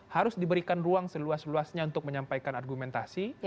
harus diberikan ruang seluas luasnya untuk menyampaikan argumentasi